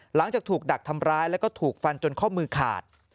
หลังจากถูกดักทำร้ายแล้วก็ถูกฟันจนข้อมือขาด